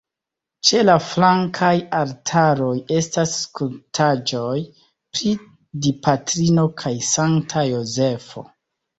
Ĉe la flankaj altaroj estas skulptaĵoj pri Dipatrino kaj Sankta Jozefo.